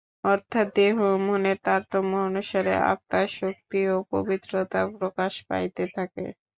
অর্থাৎ দেহ ও মনের তারতম্য অনুসারে আত্মার শক্তি ও পবিত্রতা প্রকাশ পাইতে থাকে।